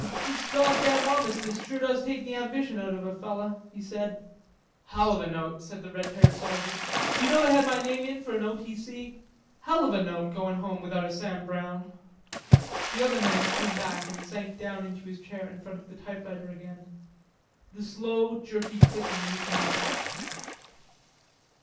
"This goddam armistice sure does take the ambition out of a feller," he said. "Hell of a note," said the red haired sergeant. "D'you know that they had my name in for an O.T.C.? Hell of a note goin' home without a Sam Browne." The other man came back and sank down into his chair in front of the typewriter again. The slow, jerky clicking recommenced.